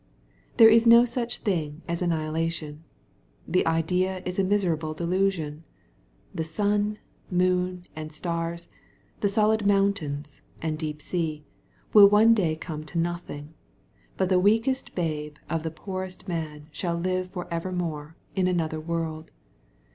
^ There is no such thing as annihilation. The idea is a miserable delusion. The sun, moon, and stars, — ^the solid mountains, and deep sea, will one day come to nothing. But the weakest babe of the poorest man shall live for evermore, in another world.